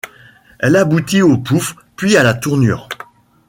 Elle aboutit au pouf puis à la tournure.